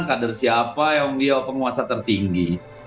kader siapa yang beliau penguasa tertinggi